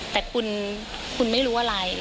แต่คุณไม่รู้อะไร